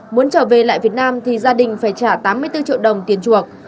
muốn trở về lại việt nam thì gia đình phải trả tám mươi bốn triệu đồng tiền chuộc